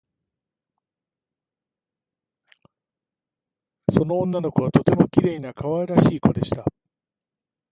その女の子はとてもきれいなかわいらしいこでした